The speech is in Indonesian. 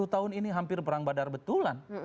sepuluh tahun ini hampir perang badar betulan